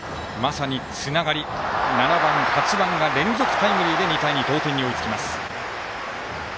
まさにつながり７番、８番が連続タイムリーで追いつきます。